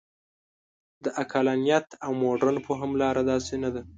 د عقلانیت او مډرن فهم لاره داسې نه ده.